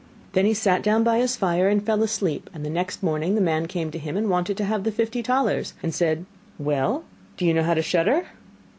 Then he sat down by his fire and fell asleep, and the next morning the man came to him and wanted to have the fifty talers, and said: 'Well do you know how to shudder?